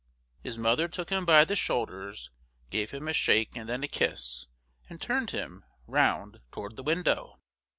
His mother took him by the shoulders, gave him a shake and then a kiss, and turned him round toward the window.